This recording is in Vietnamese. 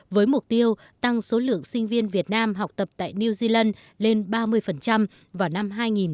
với mục tiêu tăng số lượng sinh viên việt nam học tập tại new zealand lên ba mươi vào năm hai nghìn hai mươi